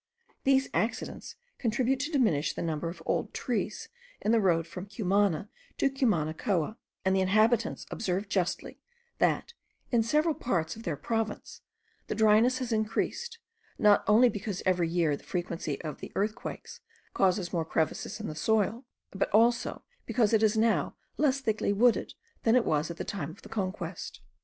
These accidents contribute to diminish the number of old trees in the road from Cumana to Cumanacoa; and the inhabitants observe justly, that, in several parts of their province, the dryness has increased, not only because every year the frequency of earthquakes causes more crevices in the soil; but also because it is now less thickly wooded than it was at the time of the conquest.